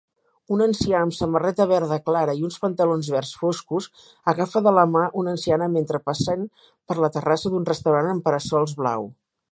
Un ancià amb una samarreta verda clara i uns pantalons verds foscos agafa de la mà una anciana mentre passen per la terrassa d'un restaurant amb para-sols blaus